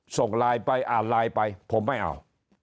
ส่งไลน์ไปอ่านไลน์ไปผมไม่เอา